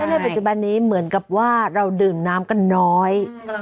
ก็เรียกว่าปัจจุบันนี้เหมือนกับว่าเราดื่มน้ำก็น้อย